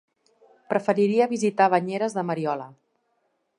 Preferiria visitar Banyeres de Mariola.